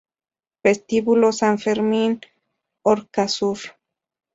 Vestíbulo San Fermín-Orcasur